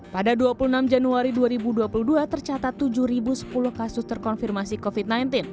pada dua puluh enam januari dua ribu dua puluh dua tercatat tujuh sepuluh kasus terkonfirmasi covid sembilan belas